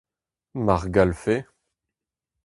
Mar gallfe !…